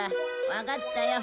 わかったよ。